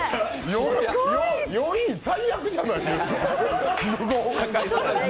４位最悪じゃないですか。